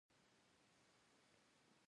دا د ټول نظام د ظلم یوه برجسته نښه ده.